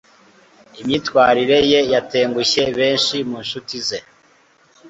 imyitwarire ye yatengushye benshi mu nshuti ze